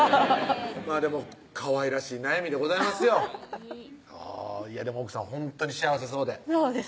でもかわいらしい悩みでございますよでも奥さんほんとに幸せそうでそうです